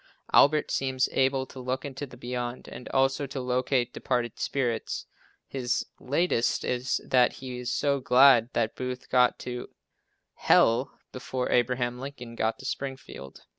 Albert seems able to look into the "beyond" and also to locate departed spirits. His "latest" is that he is so glad that Booth got to h l before Abraham Lincoln got to Springfield.